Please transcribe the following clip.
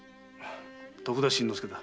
徳田新之助だ。